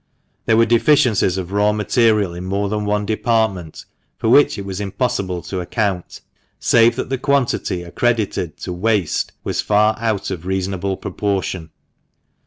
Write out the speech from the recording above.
There were deficiencies of raw material in more than one department, for which it was impossible to account, save that the quantity accredited to " waste " was far out of reasonable proportion.